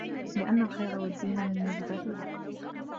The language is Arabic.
لِأَنَّ الْخَيْرَ وَالدِّينَ مِنْ مُوجِبَاتِ الْعَقْلِ